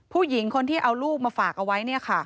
ผู้หญิงคนที่เอาลูกมาฝากเอาไว้